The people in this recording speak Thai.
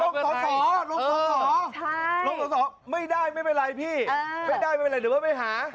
เพื่อไทยอือ